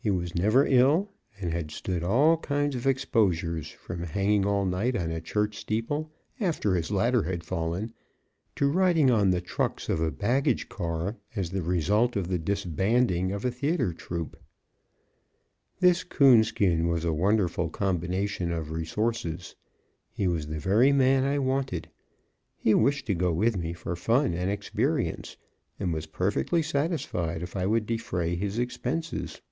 He was never ill, and had stood all kinds of exposures from hanging all night on a church steeple after his ladder had fallen, to riding on the trucks of a baggage car, as the result of the disbanding of a theatre troupe. This Coonskin was a wonderful combination of resources; he was the very man I wanted. He wished to go with me for fun and experience, and was perfectly satisfied if I would defray his expenses.